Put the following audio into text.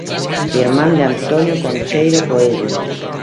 Irmán de Antonio Concheiro Coello.